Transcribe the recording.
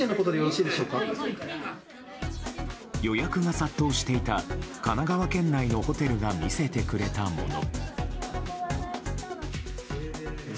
予約が殺到していた神奈川県内のホテルが見せてくれたもの。